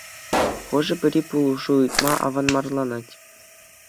Хӑшӗ-пӗри пулӑшу ыйтма аванмарланать.